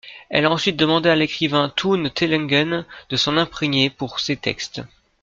Elle a ensuite demandé à l'écrivain Toon Tellengen de s'en imprégner, pour ses textes.